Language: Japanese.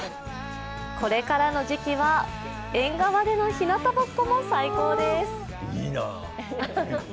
これからの時期は縁側でのひなたぼっこも最高です。